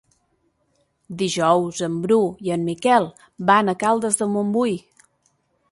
Dijous en Bru i en Miquel van a Caldes de Montbui.